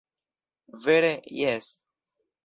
Vere jes!